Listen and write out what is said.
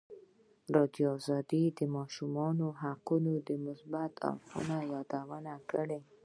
ازادي راډیو د د ماشومانو حقونه د مثبتو اړخونو یادونه کړې.